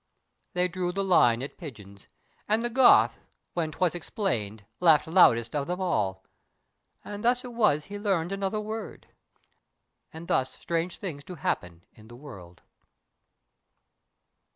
They drew the line at pigeons; and the Goth When 'twas explained laughed loudest of them all; And thus it was he learned another word. And thus strange things do happen in the world.